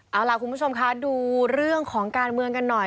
เอาล่ะคุณผู้ชมคะดูเรื่องของการเมืองกันหน่อย